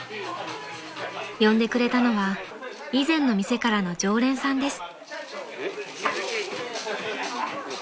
［呼んでくれたのは以前の店からの常連さんです］